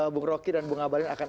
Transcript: bunga rocky dan bunga balin akan